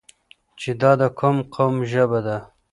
چې دا د کوم قوم ژبه ده؟